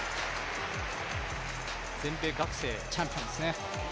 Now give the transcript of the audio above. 全米学生チャンピオンですね。